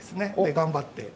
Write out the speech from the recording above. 頑張って。